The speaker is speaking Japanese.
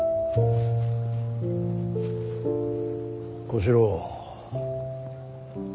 小四郎。